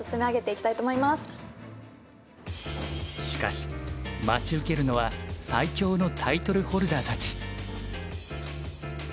しかし待ち受けるのは最強のタイトルホルダーたち。